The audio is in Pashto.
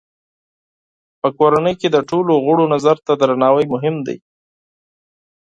په کورنۍ کې د ټولو غړو نظر ته درناوی مهم دی.